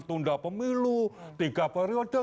tunda pemilu tiga periode